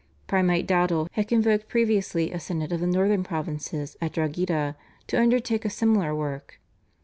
Primate Dowdall had convoked previously a synod of the Northern Provinces at Drogheda to undertake a similar work.